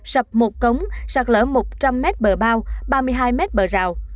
sập một cống sạt lở một trăm linh m bờ bao ba mươi hai mét bờ rào